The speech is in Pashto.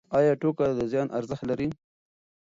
ایا ټوکه د زیان ارزښت لري؟